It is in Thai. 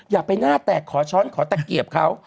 อย่าไปหน้าแตกขอช้อนขอตะเกียบเขา